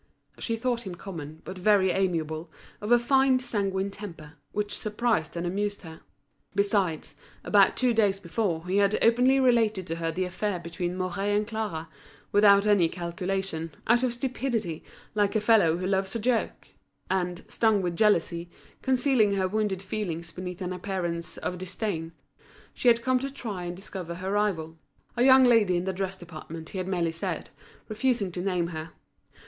She thought him common, but very amiable, of a fine sanguine temper, which surprised and amused her. Besides, about two days before he had openly related to her the affair between Mouret and Clara, without any calculation, out of stupidity, like a fellow who loves a joke; and, stung with jealousy, concealing her wounded feelings beneath an appearance of disdain, she had come to try and discover her rival, a young lady in the dress department he had merely said, refusing to name her.